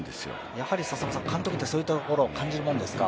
やはり監督はそういうところを感じるものですか？